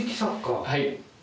はい。